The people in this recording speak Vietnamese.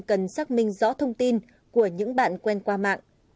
cần xác minh rõ thông tin của những bạn quen qua mạng